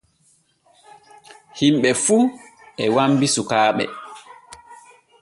Himɓe fu e wambi sukaaɓe.